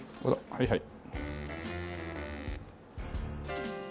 はいはい。